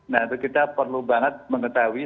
nah kita perlu banget mengetahui